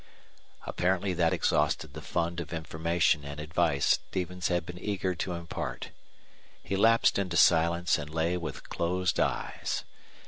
Apparently that exhausted the fund of information and advice Stevens had been eager to impart. He lapsed into silence and lay with closed eyes.